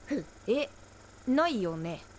えっないよね？